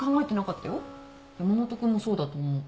山本君もそうだと思う。